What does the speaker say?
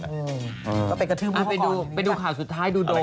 ก็ไปกระทืบพ่อก่อนอย่างงี้ก่อนอะไรครับไปดูข่าวสุดท้ายดูโดง